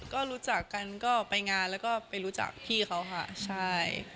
ก็รู้จักกันก็ไปงานแล้วก็ไปรู้จักพี่เขาค่ะใช่